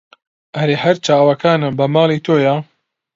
ئەرێ هەر چاوەکانم بە ماڵی تۆیە